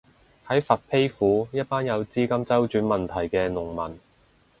喺佛丕府，一班有資金周轉問題嘅農民